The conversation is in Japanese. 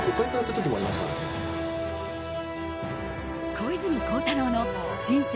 小泉孝太郎の人生